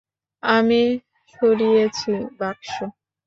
আমি সরিয়েছি, বাক্স?